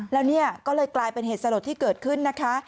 แล้วเนี่ยก็เลยกลายเป็นเหตุสลดที่เกิดขึ้นนะคะ